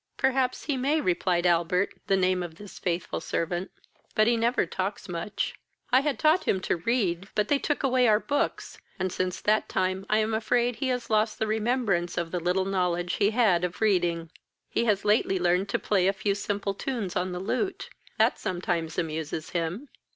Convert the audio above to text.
"Perhaps he may, (replied Albert, the name of this faithful servant;) but he never talks much. I had taught him to read, but they took away our books, and since that time I am afraid he has lost the remembrance of the little knowledge he had of reading. He has lately learned to play a few simple tunes on the lute, that sometimes amuses him."